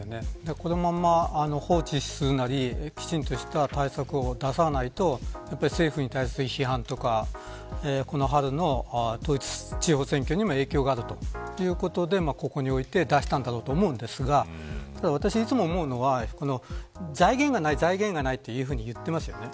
このまま放置するなりきちんとした対策を出さないと政府に対する批判とかこの春の統一地方選挙にも影響があるということでここにおいて出したと思うんですけど私が、いつも思うのは財源がないというふうに言ってますよね。